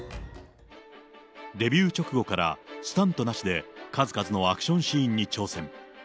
デビュー直後から、スタントなしで数々のアクションシーンに挑戦。